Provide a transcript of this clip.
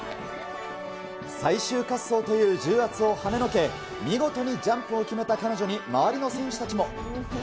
最終滑走という重圧をはねのけ、見事にジャンプを決めた彼女に周りの選手たちも。